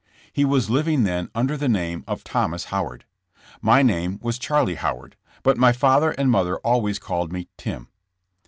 He was living then under the name of Thomas Howard. My name was Charlie Howard, but my father and mother always called me "Tim.''